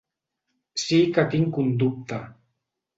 Sí que tinc un dubte.